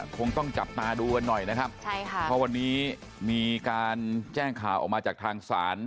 คงต้องจับตาดูกันหน่อยนะครับใช่ค่ะเพราะวันนี้มีการแจ้งข่าวออกมาจากทางศาล